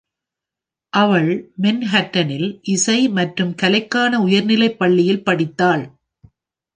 அவள் மேன்ஹாட்டனில், இசை மற்றும் கலைக்கான உயர்நிலைப் பள்ளியில் படித்தாள்.